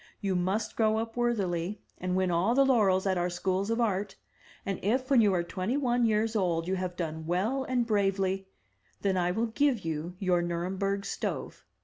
You must grow up worthily, and win all the laurels at our Schools of Art, and if when you are twenty one years old you have done well and bravely, then I will give you your Nuremberg stove.